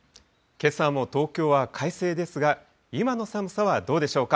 けさも東京は快晴ですが、今の寒さはどうでしょうか。